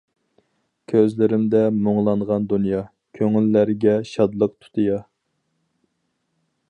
كۆزلىرىمدە مۇڭلانغان دۇنيا، كۆڭۈللەرگە شادلىق تۇتىيا.